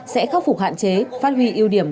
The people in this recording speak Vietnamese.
sẽ khắc phục hạn chế phát huy yêu điểm